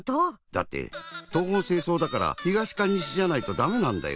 だって東奔西走だから東か西じゃないとだめなんだよ。